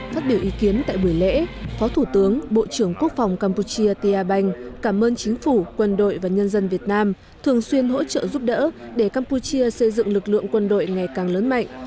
phát biểu ý kiến tại buổi lễ phó thủ tướng bộ trưởng quốc phòng campuchia tia banh cảm ơn chính phủ quân đội và nhân dân việt nam thường xuyên hỗ trợ giúp đỡ để campuchia xây dựng lực lượng quân đội ngày càng lớn mạnh